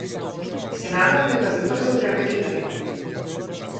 Се надевам дека за брзо време ќе дојдам.